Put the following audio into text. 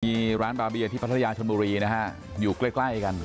มีร้านบาเบียที่พัทยาชนบุรีนะฮะอยู่ใกล้ใกล้กัน